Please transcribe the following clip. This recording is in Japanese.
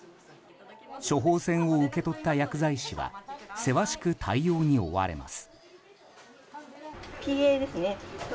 処方箋を受け取った薬剤師はせわしく対応に追われます。